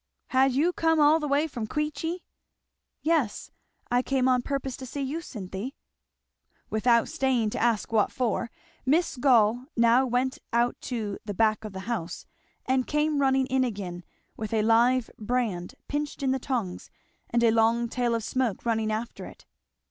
"Ha' you come all the way from Queechy?" "Yes. I came on purpose to see you, Cynthy." Without staying to ask what for, Miss Gall now went out to "the back of the house" and came running in again with a live brand pinched in the tongs, and a long tail of smoke running after it.